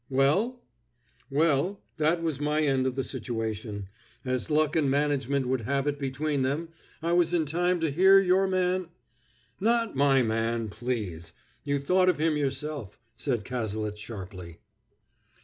"Well?" "Well, that was my end of the situation. As luck and management would have it between them, I was in time to hear your man " "Not my man, please! You thought of him yourself," said Cazalet sharply.